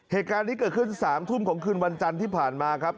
เหตุการณ์นี้เกิดขึ้น๓ทุ่มของคืนวันจันทร์ที่ผ่านมาครับ